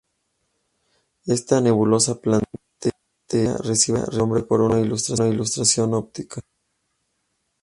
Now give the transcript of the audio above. Esta nebulosa planetaria recibe su nombre por una ilusión óptica.